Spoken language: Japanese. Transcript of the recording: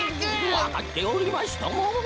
わかっておりますとも！